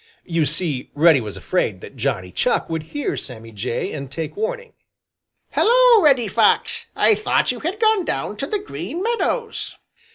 You see, Reddy was afraid that Johnny Chuck would hear Sammy Jay and take warning. "Hello, Reddy Fox! I thought you had gone down to the Green Meadows!"